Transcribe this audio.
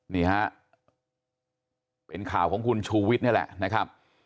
นี่ฮะเป็นข่าวของคุณชูวิทย์นี่แหละนะครับ